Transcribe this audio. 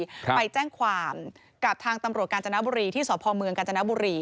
ครับไปแจ้งความกับทางตำรวจกาญจนบุรีที่สพเมืองกาญจนบุรี